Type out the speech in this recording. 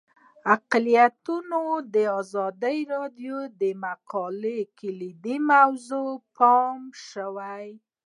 اقلیتونه د ازادي راډیو د مقالو کلیدي موضوع پاتې شوی.